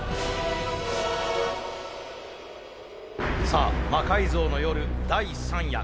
さあ「魔改造の夜第３夜」